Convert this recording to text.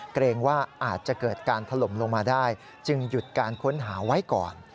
เกรงว่าอาจจะเกิดการถล่มลงมาได้จึงหยุดการค้นหาไว้ก่อน